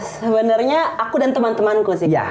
sebenarnya aku dan teman temanku sih kak